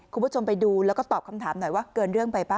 คุณผู้ชมไปดูแล้วก็ตอบคำถามหน่อยว่าเกินเรื่องไปป่